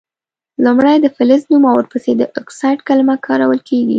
لومړۍ د فلز نوم او ور پسي د اکسایډ کلمه کارول کیږي.